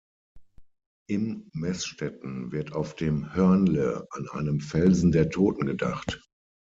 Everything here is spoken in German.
Im Meßstetten wird auf dem Hörnle an einem Felsen der Toten gedacht.